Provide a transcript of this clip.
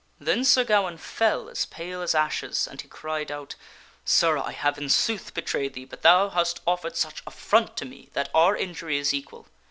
Then Sir Gawaine fell as pale as ashes and he cried out, " Sir, I have in sooth betrayed thee, but thou hast offered such affront to me that our injury is equal."